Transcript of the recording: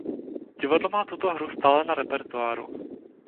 Divadlo má tuto hru stále na repertoáru.